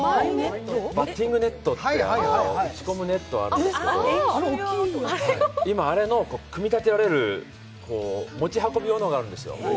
バッティングネットという打ち込むネットがあるんですけど今、あれの組み立てられる、持ち運び用のがあるんですよ。